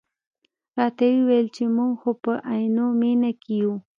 راته یې وویل چې موږ خو په عینومېنه کې یو.